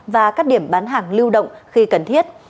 và các điểm bán hàng lưu động khi cần thiết